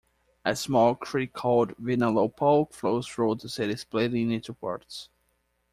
A small creek called Vinalopó flows through the city splitting it in two parts.